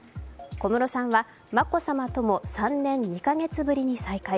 小室さんは眞子さまとも３年２カ月ぶりに再会。